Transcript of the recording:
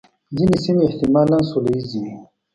ځینې سیمې احتمالاً سوله ییزې وې.